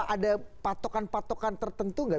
ada patokan patokan tertentu nggak